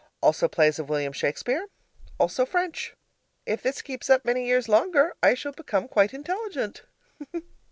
Also plays of William Shakespeare. Also French. If this keeps up many years longer, I shall become quite intelligent.